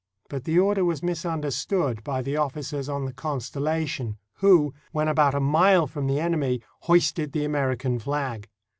But the order was misunder stood by the officers on the Constellation, who, when about a mile from the enemy, hoisted the American flag.